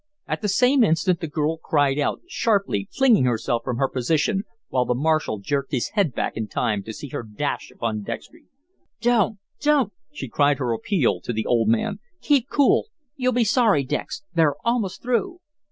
At the same instant the girl cried out, sharply, flinging herself from her position, while the marshal jerked his head back in time to see her dash upon Dextry. "Don't! Don't!" She cried her appeal to the old man. "Keep cool. You'll be sorry, Dex they're almost through."